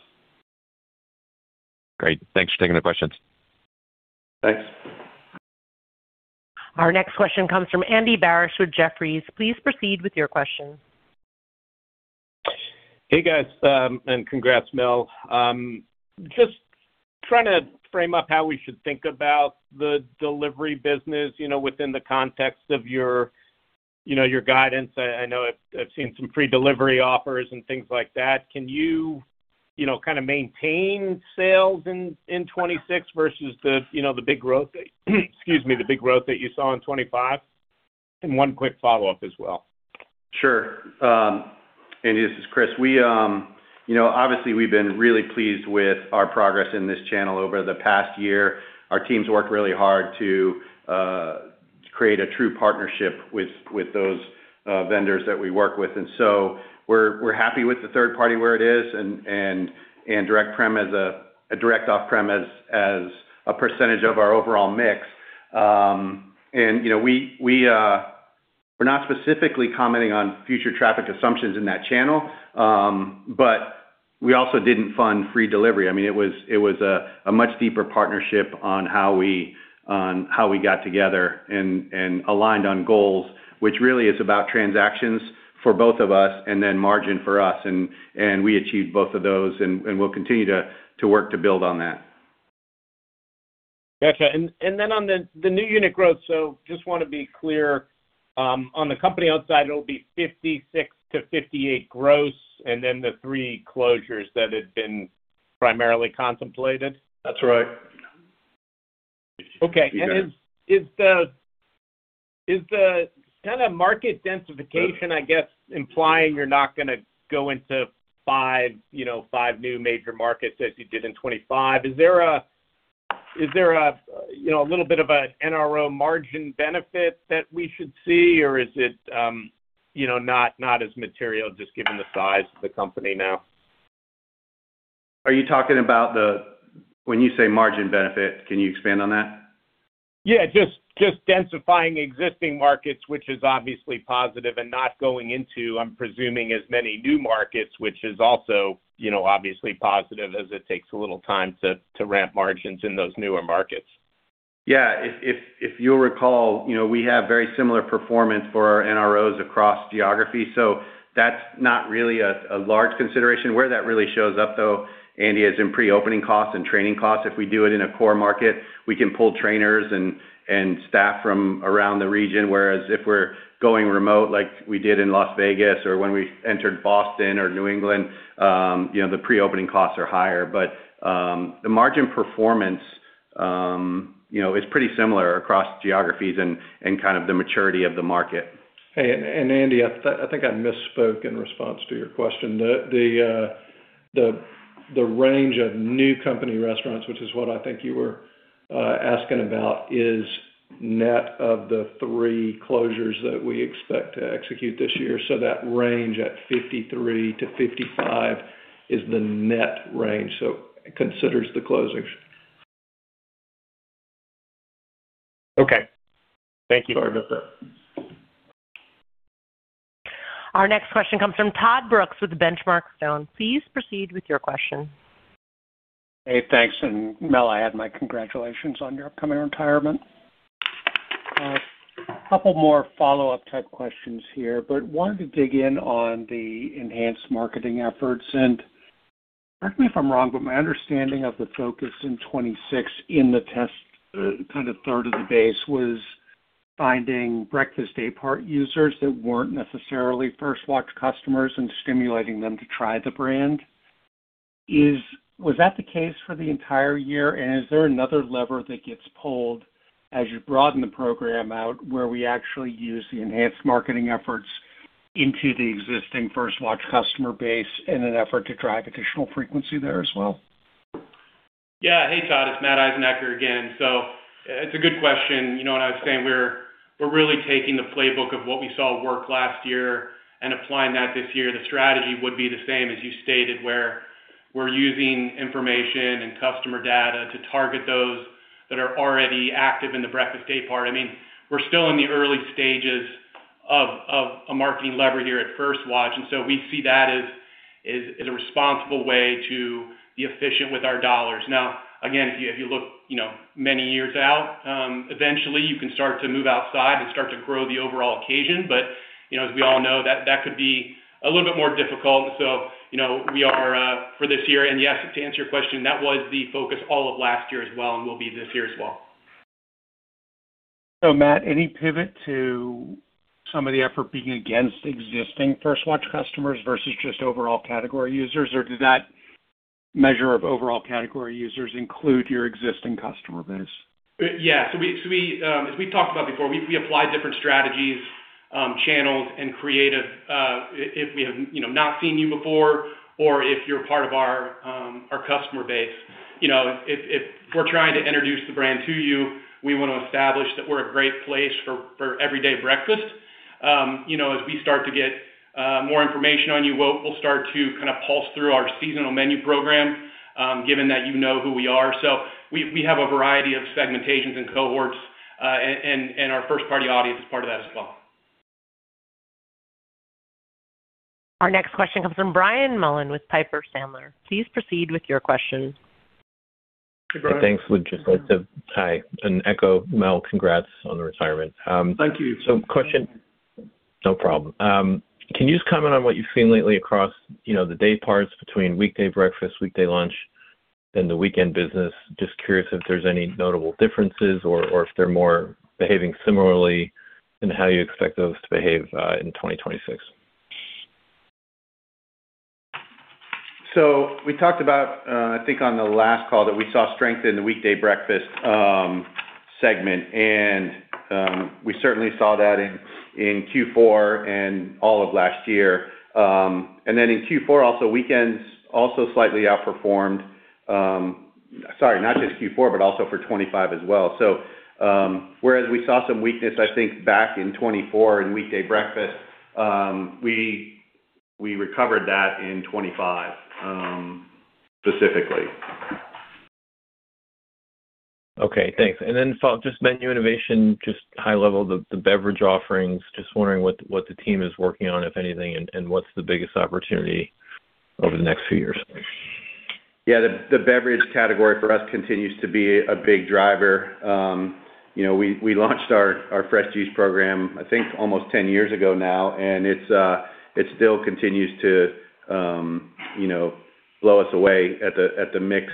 Great. Thanks for taking the questions. Thanks. Our next question comes from Andy Barish with Jefferies. Please proceed with your question. Hey, guys, congrats, Mel. Just trying to frame up how we should think about the delivery business, you know, within the context of your, you know, your guidance. I know I've seen some free delivery offers and things like that. Can you know, kind of maintain sales in 2026 versus the, you know, the big growth, excuse me, the big growth that you saw in 2025? One quick follow-up as well. Sure. Andy, this is Chris. We, you know, obviously, we've been really pleased with our progress in this channel over the past year. Our teams worked really hard to create a true partnership with those vendors that we work with. So we're happy with the third party where it is and direct off-prem as a direct off-prem as a percentage of our overall mix. You know, we're not specifically commenting on future traffic assumptions in that channel, but we also didn't fund free delivery. I mean, it was a much deeper partnership on how we got together and aligned on goals, which really is about transactions for both of us and then margin for us, and we achieved both of those, and we'll continue to work to build on that. Got you. Then on the new unit growth, just want to be clear, on the company-owned side, it'll be 56-58 gross, and then the 3 closures that had been primarily contemplated? That's right. Okay. You got it. Is the kind of market densification, I guess, implying you're not gonna go into 5, you know, 5 new major markets as you did in 25? Is there a, you know, a little bit of an NRO margin benefit that we should see, or is it, you know, not as material, just given the size of the company now? Are you talking about When you say margin benefit, can you expand on that? Yeah, just densifying existing markets, which is obviously positive, and not going into, I'm presuming, as many new markets, which is also, you know, obviously positive, as it takes a little time to ramp margins in those newer markets. Yeah. If you'll recall, you know, we have very similar performance for our NROs across geographies, so that's not really a large consideration. Where that really shows up, though, Andy, is in pre-opening costs and training costs. If we do it in a core market, we can pull trainers and staff from around the region, whereas if we're going remote, like we did in Las Vegas or when we entered Boston or New England, you know, the pre-opening costs are higher. The margin performance, you know, is pretty similar across geographies and kind of the maturity of the market. Hey, Andy, I think I misspoke in response to your question. The range of new company restaurants, which is what I think you were asking about, is net of the 3 closures that we expect to execute this year. That range at 53-55 is the net range, so it considers the closings. Okay. Thank you. Sorry about that. Our next question comes from Todd Brooks with The Benchmark Company. Please proceed with your question. Hey, thanks. Mel, I add my congratulations on your upcoming retirement. A couple more follow-up type questions here, but wanted to dig in on the enhanced marketing efforts. Correct me if I'm wrong, but my understanding of the focus in 2026 in the test, kind of third of the base, was finding breakfast daypart users that weren't necessarily First Watch customers and stimulating them to try the brand. Was that the case for the entire year, and is there another lever that gets pulled as you broaden the program out, where we actually use the enhanced marketing efforts into the existing First Watch customer base in an effort to drive additional frequency there as well? Yeah. Hey, Todd, it's Matt Eisenacher again. It's a good question. You know what? I would say we're really taking the playbook of what we saw work last year and applying that this year. The strategy would be the same as you stated, where we're using information and customer data to target those that are already active in the breakfast daypart. I mean, we're still in the early stages of a marketing lever here at First Watch, and we see that as a responsible way to be efficient with our dollars. Now, again, if you, if you look, you know, many years out, eventually you can start to move outside and start to grow the overall occasion. You know, as we all know, that could be a little bit more difficult. You know, we are for this year... Yes, to answer your question, that was the focus all of last year as well, and will be this year as well. Matt, any pivot to some of the effort being against existing First Watch customers versus just overall category users, or does that measure of overall category users include your existing customer base? Yeah. As we talked about before, we apply different strategies, channels, and creative, if we have, you know, not seen you before or if you're part of our customer base. You know, if we're trying to introduce the brand to you, we want to establish that we're a great place for everyday breakfast. You know, as we start to get more information on you, we'll start to kind of pulse through our seasonal menu program, given that you know who we are. We have a variety of segmentations and cohorts, and our first-party audience is part of that as well. Our next question comes from Brian Mullan with Piper Sandler. Please proceed with your question. Thanks, would just like to hi, and echo Mel, congrats on the retirement. Thank you. Question. No problem. Can you just comment on what you've seen lately across, you know, the day parts between weekday breakfast, weekday lunch, and the weekend business? Just curious if there's any notable differences or if they're more behaving similarly, and how you expect those to behave in 2026? We talked about, I think on the last call, that we saw strength in the weekday breakfast segment. We certainly saw that in Q4 and all of last year. Then in Q4, also, weekends also slightly outperformed. Sorry, not just Q4, but also for 25 as well. Whereas we saw some weakness, I think back in 24 in weekday breakfast, we recovered that in 25 specifically. Okay, thanks. Just menu innovation, just high level, the beverage offerings, just wondering what the team is working on, if anything, and what's the biggest opportunity over the next few years? Beverage category for us continues to be a big driver. You know, we launched our fresh juice program, I think, almost 10 years ago now, and it still continues to, you know, blow us away at the mix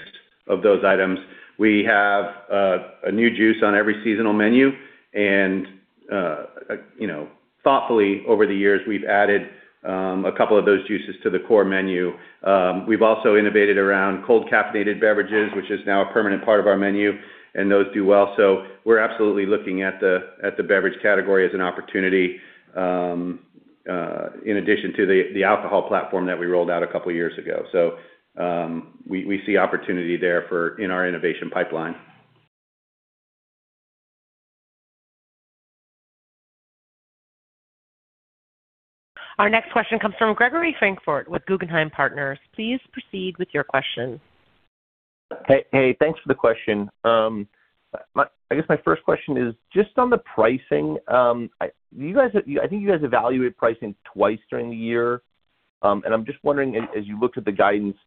of those items. We have a new juice on every seasonal menu, and, you know, thoughtfully, over the years, we've added a couple of those juices to the core menu. We've also innovated around cold caffeinated beverages, which is now a permanent part of our menu, and those do well. So we're absolutely looking at the beverage category as an opportunity, in addition to the alcohol platform that we rolled out a couple of years ago. So we see opportunity there in our innovation pipeline. Our next question comes from Gregory Francfort with Guggenheim Partners. Please proceed with your question. Hey, hey, thanks for the question. I guess my first question is just on the pricing. You guys, I think you guys evaluate pricing twice during the year. I'm just wondering, as you looked at the guidance,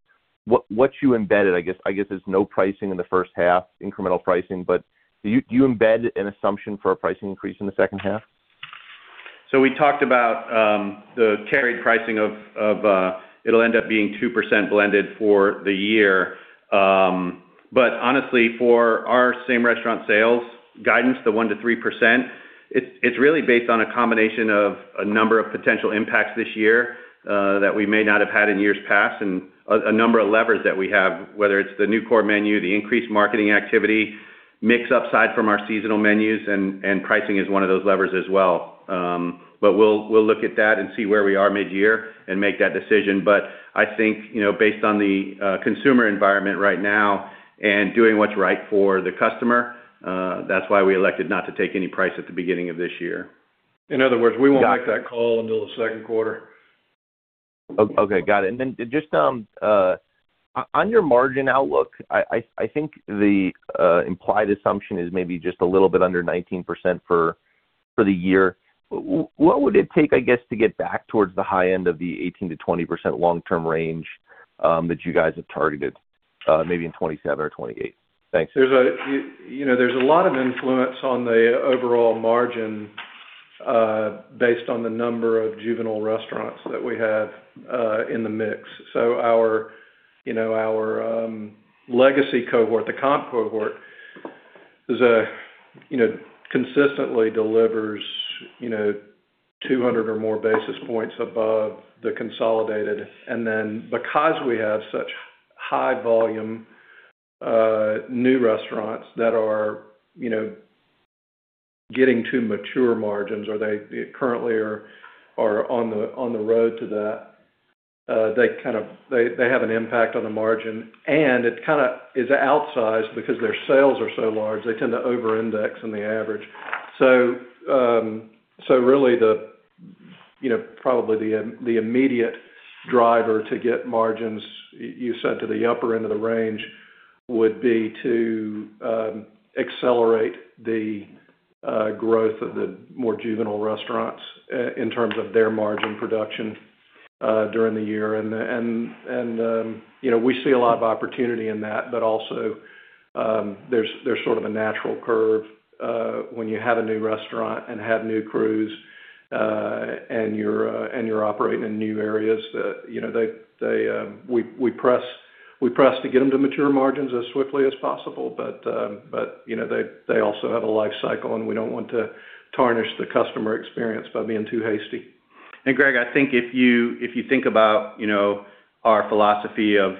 what you embedded. I guess there's no pricing in the first half, incremental pricing. Do you embed an assumption for a pricing increase in the second half? We talked about the carried pricing of it'll end up being 2% blended for the year. Honestly, for our same-restaurant sales guidance, the 1%-3%, it's really based on a combination of a number of potential impacts this year that we may not have had in years past, and a number of levers that we have, whether it's the new core menu, the increased marketing activity, mix upside from our seasonal menus, and pricing is one of those levers as well. We'll look at that and see where we are mid-year and make that decision. I think, you know, based on the consumer environment right now and doing what's right for the customer, that's why we elected not to take any price at the beginning of this year. In other words, we won't make that call until the Q2. Okay, got it. Then just on your margin outlook, I think the implied assumption is maybe just a little bit under 19% for the year. What would it take, I guess, to get back towards the high end of the 18%-20% long-term range that you guys have targeted, maybe in 2027 or 2028? Thanks. There's, you know, there's a lot of influence on the overall margin, based on the number of juvenile restaurants that we have in the mix. Our, you know, our legacy cohort, the comp cohort, is, you know, consistently delivers, you know, 200 or more basis points above the consolidated. Because we have such high volume, new restaurants that are, you know, getting to mature margins, or they currently are on the road to that, they have an impact on the margin, and it kind of is outsized because their sales are so large, they tend to over-index on the average. Really, you know, probably the immediate driver to get margins, you said to the upper end of the range, would be to accelerate the growth of the more juvenile restaurants in terms of their margin production during the year. You know, we see a lot of opportunity in that, but also, there's sort of a natural curve when you have a new restaurant and have new crews and you're operating in new areas, you know, they, we press to get them to mature margins as swiftly as possible, but, you know, they also have a life cycle, and we don't want to tarnish the customer experience by being too hasty. Gregory, I think if you think about, you know, our philosophy of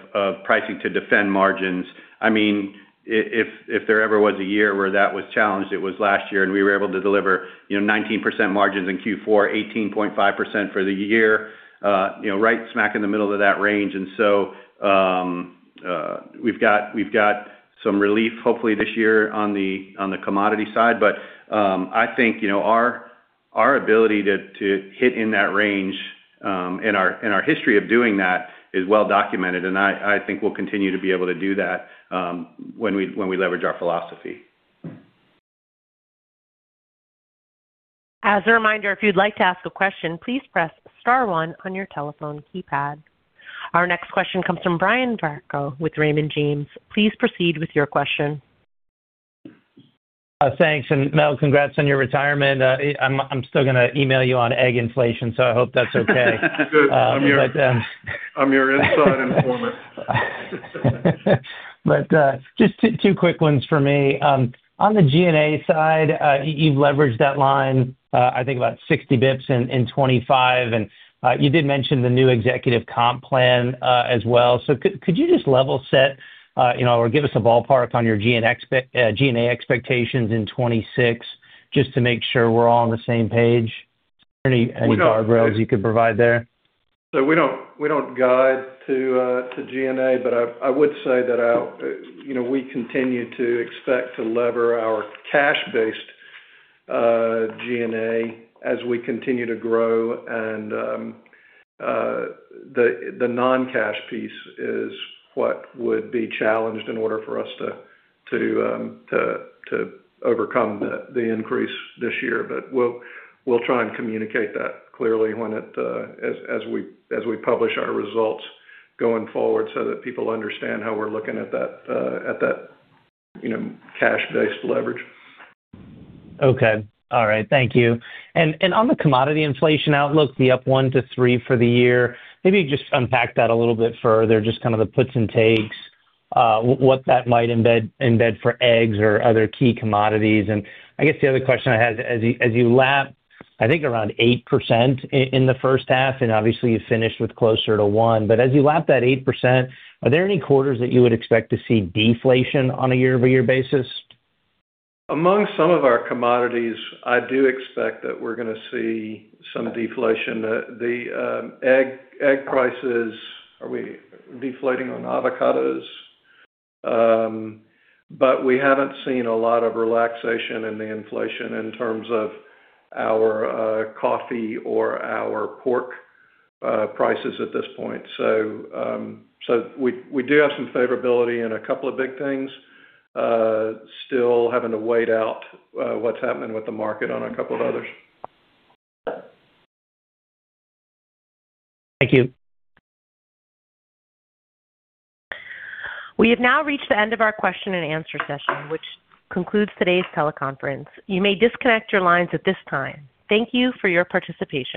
pricing to defend margins, I mean, if there ever was a year where that was challenged, it was last year, we were able to deliver, you know, 19% margins in Q4, 18.5% for the year, you know, right smack in the middle of that range. So, we've got some relief, hopefully this year on the commodity side. I think, you know, our ability to hit in that range, and our history of doing that is well documented, and I think we'll continue to be able to do that, when we leverage our philosophy. As a reminder, if you'd like to ask a question, please press star one on your telephone keypad. Our next question comes from Brian Vaccaro with Raymond James. Please proceed with your question. Thanks. Mel, congrats on your retirement. I'm still gonna email you on egg inflation, so I hope that's okay. I'm your inside informant. Just 2 quick ones for me. On the G&A side, you've leveraged that line, I think, about 60 bps in 2025, and you did mention the new executive comp plan as well. Could you just level set, you know, or give us a ballpark on your G&A expectations in 2026, just to make sure we're all on the same page? Any guardrails you could provide there? We don't, we don't guide to G&A, but I would say that I, you know, we continue to expect to lever our cash-based G&A, as we continue to grow. The, the non-cash piece is what would be challenged in order for us to overcome the increase this year. We'll, we'll try and communicate that clearly when it, as we, as we publish our results going forward, so that people understand how we're looking at that, at that, you know, cash-based leverage. Okay. All right. Thank you. On the commodity inflation outlook, the up 1%-3% for the year, maybe just unpack that a little bit further, just kind of the puts and takes, what that might embed for eggs or other key commodities? I guess the other question I had, as you lap, I think, around 8% in the first half, and obviously, you finished with closer to 1%. As you lap that 8%, are there any quarters that you would expect to see deflation on a year-over-year basis? Among some of our commodities, I do expect that we're gonna see some deflation. The egg prices. Are we deflating on avocados? We haven't seen a lot of relaxation in the inflation in terms of our coffee or our pork prices at this point. We do have some favorability in a couple of big things. Still having to wait out what's happening with the market on a couple of others. Thank you. We have now reached the end of our question and answer session, which concludes today's teleconference. You may disconnect your lines at this time. Thank you for your participation.